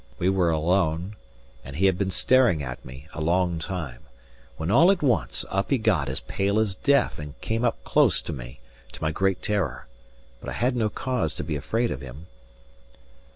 We were alone, and he had been staring at me a long time, when all at once, up he got, as pale as death, and came close up to me, to my great terror. But I had no cause to be afraid of him.